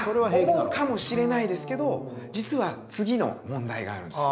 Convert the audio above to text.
思うかもしれないですけど実は次の問題があるんです。